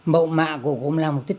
mậu mạ của gốm làng phước tích